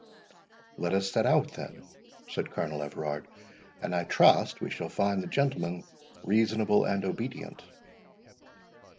"Let us set out, then," said Colonel Everard; "and I trust we shall find the gentlemen reasonable and obedient."